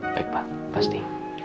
baik pak pasti